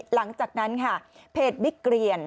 หลังจากนั้นเพจวิกเกรียญ